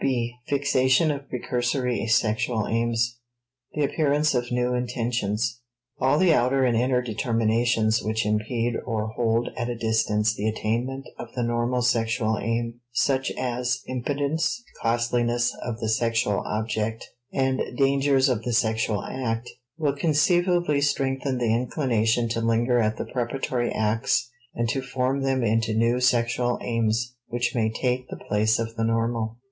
(b) Fixation of Precursory Sexual Aims *The Appearance of New Intentions.* All the outer and inner determinations which impede or hold at a distance the attainment of the normal sexual aim, such as impotence, costliness of the sexual object, and dangers of the sexual act, will conceivably strengthen the inclination to linger at the preparatory acts and to form them into new sexual aims which may take the place of the normal.